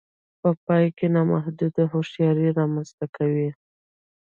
په پايله کې نامحدوده هوښياري رامنځته کوي.